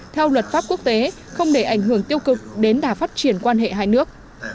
theo luật pháp quốc tế không để ảnh hưởng tiêu cực đến đà phát triển quan hệ hai nước